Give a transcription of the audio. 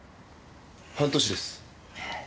半年です。